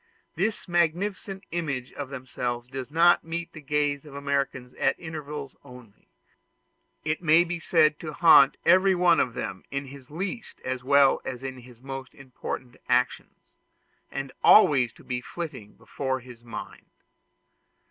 This magnificent image of themselves does not meet the gaze of the Americans at intervals only; it may be said to haunt every one of them in his least as well as in his most important actions, and to be always flitting before his mind.